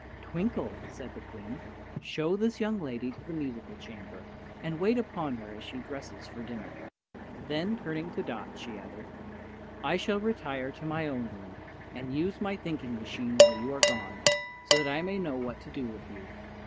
"Twinkle," said the Queen, "show this young lady to the musical chamber and wait upon her as she dresses for dinner." Then, turning to Dot, she added, "I shall retire to my own room and use my thinking machine while you are gone, so that I may know what to do with you.